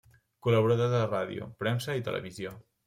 Col·laborador de ràdio, premsa i televisió.